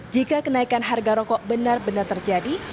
jika kenaikan harga rokok benar benar terjadi